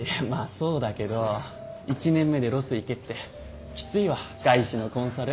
そうだけど１年目でロス行けってきついわ外資のコンサル。